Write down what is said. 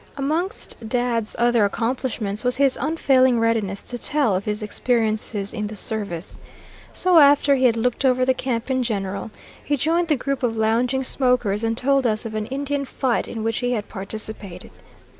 Amongst Dad's other accomplishments was his unfailing readiness to tell of his experiences in the service. So after he had looked over the camp in general, he joined the group of lounging smokers and told us of an Indian fight in which he had participated.